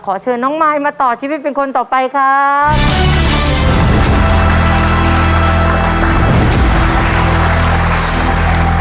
เชิญน้องมายมาต่อชีวิตเป็นคนต่อไปครับ